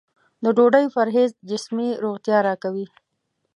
د ډوډۍ پرهېز جسمي روغتیا راکوي.